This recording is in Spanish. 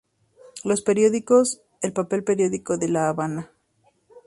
Los periódicos: el 'Papel Periódico de La Havana"'.